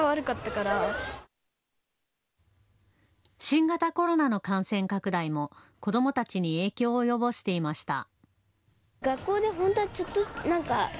新型コロナの感染拡大も子どもたちに影響を及ぼしていました。